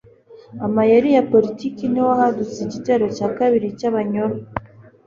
amayeri ya Politiki niho hadutse igitero cya kabiri cy'Abanyoro.